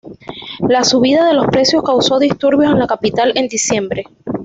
La subida de los precios causó disturbios en la capital en diciembre.